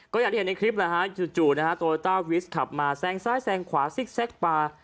ก็อย่างที่เห็นในคลิปแหละฮะจู่นะฮะโตโยต้าวิสขับมาแซงซ้ายแซงขวาซิกแก๊กปลา